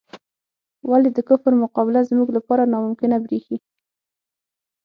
ولې د کفر مقابله زموږ لپاره ناممکنه بریښي؟